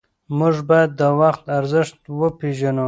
موږ باید د وخت ارزښت وپېژنو.